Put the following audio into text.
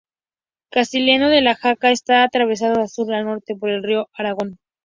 Castiello de Jaca está atravesado de sur a norte por el río Aragón.